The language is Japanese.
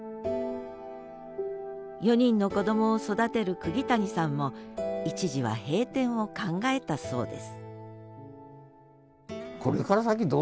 ４人の子どもを育てる釘谷さんも一時は閉店を考えたそうです